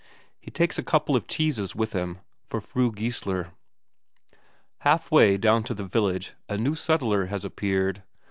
He takes a couple of cheeses with him, for Fru Geissler. Half way down to the village a new settler has appeared.